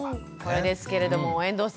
これですけれども遠藤さん。